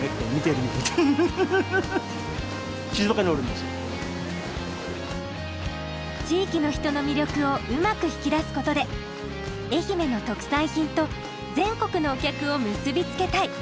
すごい！地域の人の魅力をうまく引き出すことで愛媛の特産品と全国のお客を結びつけたい。